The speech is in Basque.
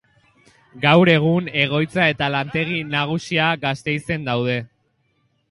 Gaur egun egoitza eta lantegi nagusia Gasteizen daude.